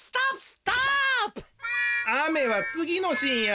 雨はつぎのシーンや。